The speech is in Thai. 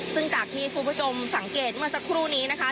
ซึ่งจากที่คุณผู้ชมสังเกตเมื่อสักครู่นี้นะคะ